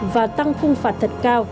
và tăng phung phạt thật cao